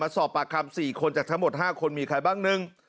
สอบปากคำ๔คนจากทั้งหมด๕คนมีใครบ้างหนึ่ง